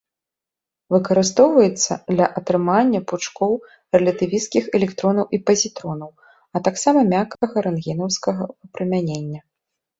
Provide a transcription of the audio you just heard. Выкарыстоўваецца для атрымання пучкоў рэлятывісцкіх электронаў і пазітронаў, а таксама мяккага рэнтгенаўскага выпрамянення.